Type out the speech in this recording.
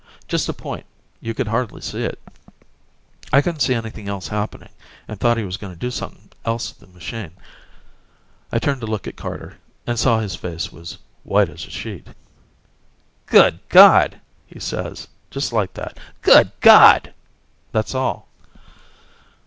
Just a point; you could hardly see it. I couldn't see anything else happening, and thought he was gonna do somepin' else to the machine. I turned to look at Carter, and saw his face was white as a sheet. "Good Gawd!" he says, just like that: "Good Gawd!" That's all.